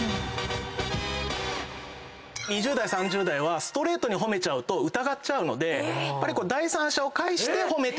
２０代３０代はストレートに褒めちゃうと疑っちゃうので第三者を介して褒めると。